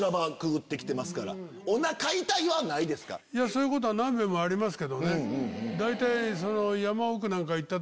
そういうことは何遍もありますけどね大体。